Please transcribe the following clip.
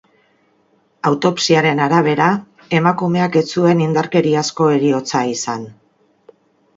Autopsiaren arabera, emakumeak ez zuen indarkeriazko heriotza izan.